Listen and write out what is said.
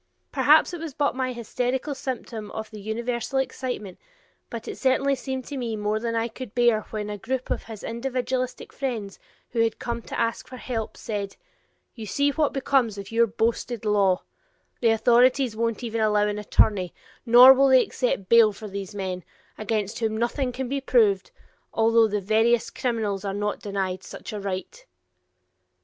Perhaps it was but my hysterical symptom of the universal excitement, but it certainly seemed to me more than I could bear when a group of his individualistic friends, who had come to ask for help, said: "You see what becomes of your boasted law; the authorities won't even allow an attorney, nor will they accept bail for these men, against whom nothing can be proved, although the veriest criminals are not denied such a right."